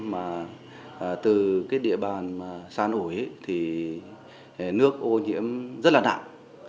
mà từ cái địa bàn săn ủi thì nước ô nhiễm rất là nặng